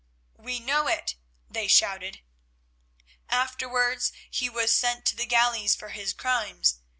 "We know it," they shouted. "Afterwards he was sent to the galleys for his crimes.